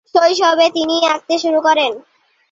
শৈশবেই তিনি আঁকতে শুরু করেন।